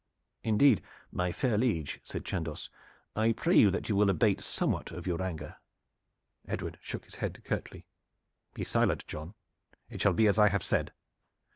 "Indeed, my fair liege," said Chandos, "I pray you that you will abate somewhat of your anger." Edward shook his head curtly. "Be silent, John. It shall be as I have said."